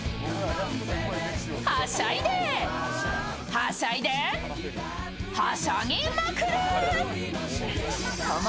はしゃいで、はしゃいではしゃぎまくる！